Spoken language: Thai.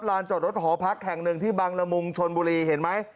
จอดรถหอพักแห่งหนึ่งที่บังละมุงชนบุรีเห็นไหม